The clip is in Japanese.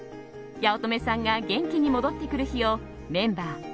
八乙女さんが元気に戻ってくる日をメンバー